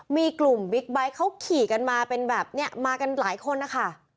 มีกลุ่มบิ๊กไบท์เขาขี่กันมาเป็นแบบนี้มากันหลายคนนะคะ